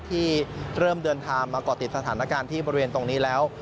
ที่เริ่มเดินทางมาก่อติดสถานการณ์ที่บริเวณตรงนี้แล้ว